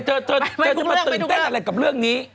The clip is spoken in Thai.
เธอจะมาตื่นเต้นอะไรกับเรื่องนี้